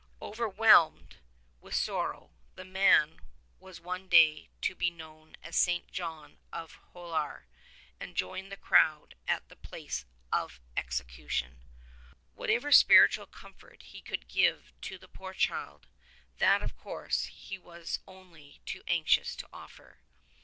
Overwhelmed with sorrow, the man who was one day to be known as St. John of Holar, had joined the crowd at the place of execution. Whatever spiritual comfort he could give to the poor child, that of course he was only too anxious to offer.